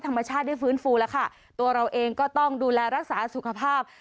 ธรรมชาติได้ฟื้นฟูแล้วค่ะตัวเราเองก็ต้องดูแลรักษาสุขภาพ